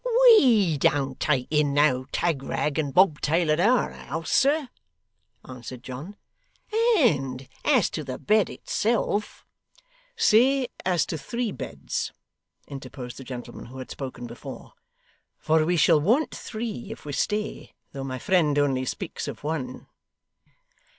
'We don't take in no tagrag and bobtail at our house, sir,' answered John. 'And as to the bed itself ' 'Say, as to three beds,' interposed the gentleman who had spoken before; 'for we shall want three if we stay, though my friend only speaks of one.